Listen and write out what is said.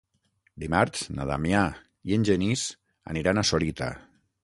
Dimarts na Damià i en Genís aniran a Sorita.